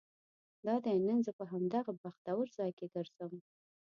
دادی نن زه په همدغه بختور ځای کې ګرځم.